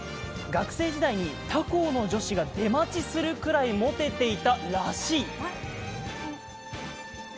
学生時代に他校の女子が出待ちするくらいモテていたらしい。